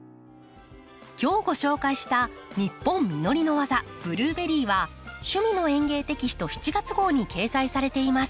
今日ご紹介した「ニッポン実りのわざブルーベリー」は「趣味の園芸」テキスト７月号に掲載されています。